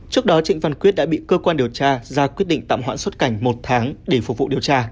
trước đó trịnh văn quyết đã bị cơ quan điều tra ra quyết định tạm hoãn xuất cảnh một tháng để phục vụ điều tra